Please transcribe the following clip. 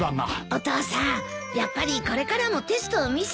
お父さんやっぱりこれからもテストを見せていい？